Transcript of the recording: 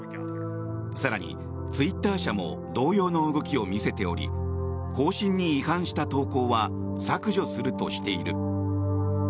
更に、ツイッター社も同様の動きを見せており方針に違反した投稿は削除するとしている。